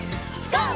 ＧＯ！